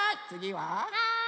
はい。